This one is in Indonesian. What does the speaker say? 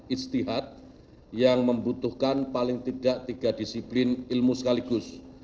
istihad yang membutuhkan paling tidak tiga disiplin ilmu sekaligus